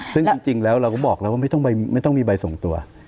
ซึ่งจริงแล้วเราก็บอกแล้วว่าไม่ต้องมีใบส่งตัว